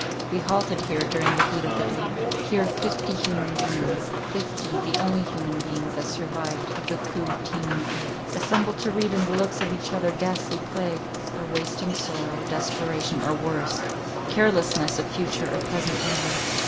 We halted here during the heat of the day. Here fifty human beings—fifty, the only human beings that survived of the food teeming earth, assembled to read in the looks of each other ghastly plague, or wasting sorrow, desperation, or worse, carelessness of future or present evil.